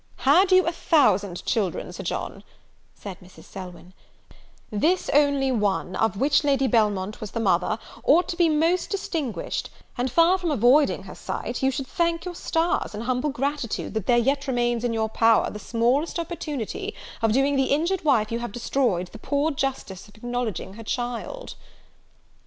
"Had you a thousand children, Sir John," said Mrs. Selwyn, "this only one, of which Lady Belmont was the mother, ought to be most distinguished; and, far from avoiding her sight, you should thank your stars, in humble gratitude, that there yet remains in your power the smallest opportunity of doing the injured wife you have destroyed, the poor justice of acknowledging her child!"